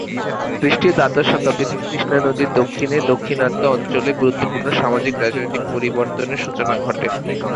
খ্রিস্টীয় দ্বাদশ শতাব্দী থেকে কৃষ্ণা নদীর দক্ষিণে দাক্ষিণাত্য অঞ্চলে গুরুত্বপূর্ণ সামাজিক-রাজনৈতিক পরিবর্তনের সূচনা ঘটে।